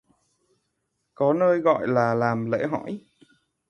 Có nơi gọi là làm lễ hỏi